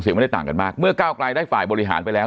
ไม่ได้ต่างกันมากเมื่อก้าวกลายได้ฝ่ายบริหารไปแล้ว